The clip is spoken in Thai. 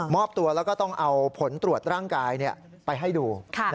อบตัวแล้วก็ต้องเอาผลตรวจร่างกายไปให้ดู